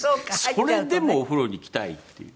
それでもお風呂に行きたいっていう。